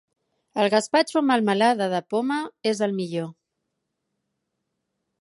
El gaspatxo amb melmelada de poma és el millor.